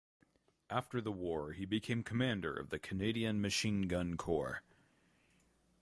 After the war he became the commander of the Canadian Machine Gun Corps.